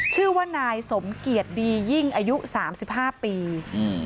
ชื่อว่านายสมเกียจดียิ่งอายุสามสิบห้าปีอืม